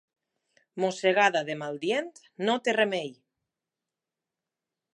Mossegada de maldient no té remei.